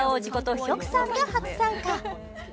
ヒョクさんが初参加